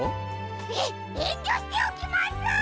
ええんりょしておきます！